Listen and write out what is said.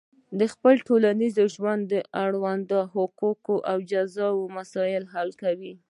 د خپل ټولنیز ژوند اړوند حقوقي او جزایي مسایل حل کوي.